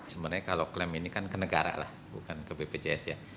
sebenarnya kalau klaim ini kan ke negara lah bukan ke bpjs ya